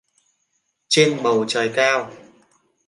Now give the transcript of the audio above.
Trên bầu trời cao